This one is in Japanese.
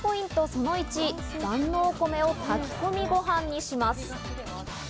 その１、万能お米を炊き込みご飯にします。